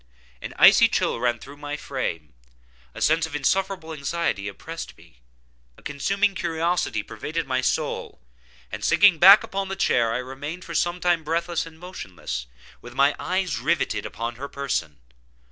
An icy chill ran through my frame; a sense of insufferable anxiety oppressed me; a consuming curiosity pervaded my soul; and sinking back upon the chair, I remained for some time breathless and motionless, with my eyes riveted upon her person.